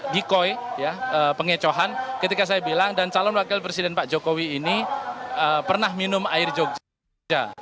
dikoi pengecohan ketika saya bilang dan calon wakil presiden pak jokowi ini pernah minum air jogja